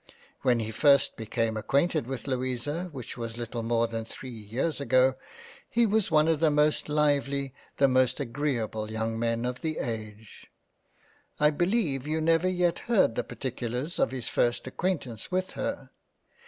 When he first became acquainted with Louisa which was little more than three years ago, he was one of the most lively, the most agreable young Men of the age —. I beleive you never yet heard the particulars of his first acquaintance with her.